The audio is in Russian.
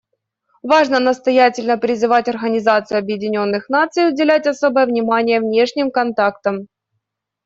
Важно настоятельно призывать Организацию Объединенных Наций уделять особое внимание внешним контактам.